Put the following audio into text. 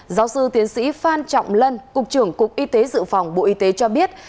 giáo sư tiến sĩ phan trọng lân cục trưởng cục y tế dự phòng bộ y tế cho biết